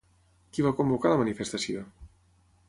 Qui va convocar la manifestació?